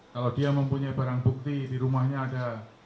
kalau dia mempunyai barang bukti di rumahnya ada